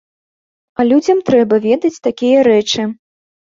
А людзям трэба ведаць такія рэчы.